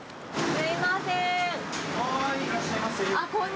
すみません。